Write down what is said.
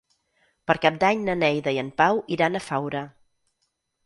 Per Cap d'Any na Neida i en Pau iran a Faura.